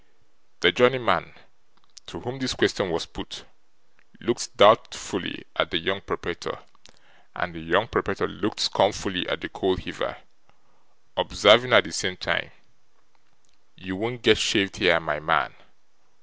The journeyman, to whom this question was put, looked doubtfully at the young proprietor, and the young proprietor looked scornfully at the coal heaver: observing at the same time: 'You won't get shaved here, my man.